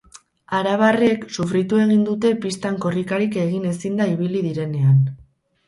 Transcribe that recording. Arabarrek sufritu egin dute pistan korrikarik egin ezinda ibili direnean.